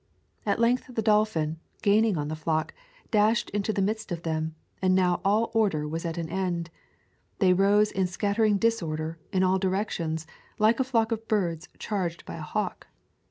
At length the dolphin, gaining on the flock, dashed into the midst of them, and now all or der was at an end. They rose in scattering dis order, in all directions, like a flock of birds charged by a hawk.